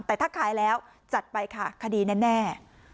แต่ถ้าขายแล้วจัดไปค่ะคดีแน่